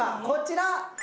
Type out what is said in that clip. こちら！